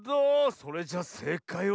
それじゃせいかいは。